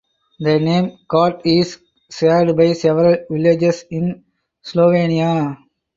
The name "Kot" is shared by several villages in Slovenia.